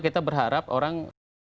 kita berharap orang